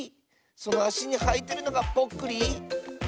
そのあしにはいてるのがぽっくり？